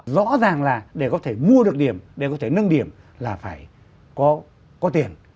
rõ ràng là để có thể mua được điểm để có thể nâng điểm là phải có tiền